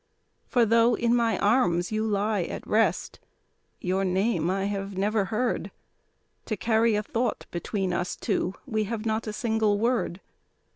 For though in my arms you lie at rest, your name I have never heard, To carry a thought between us two, we have not a single word.